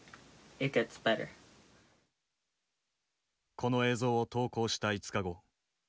この映像を投稿した５日後